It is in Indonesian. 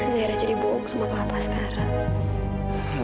akhirnya jadi bohong sama papa sekarang